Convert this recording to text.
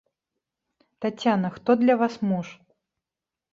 Таццяна, хто для вас муж?